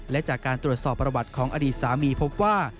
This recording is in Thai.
และจากการตรวจสอบประวัติของอดีตสามีพบว่า